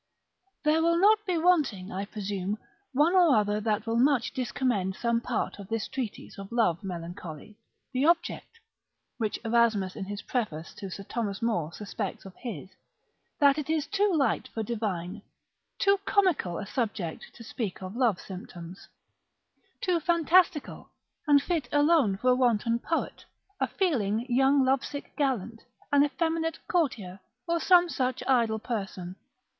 There will not be wanting, I presume, one or other that will much discommend some part of this treatise of love melancholy, and object (which Erasmus in his preface to Sir Thomas More suspects of his) that it is too light for a divine, too comical a subject to speak of love symptoms, too fantastical, and fit alone for a wanton poet, a feeling young lovesick gallant, an effeminate courtier, or some such idle person.